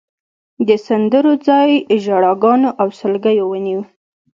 د سندرو ځای ژړاګانو او سلګیو ونیو.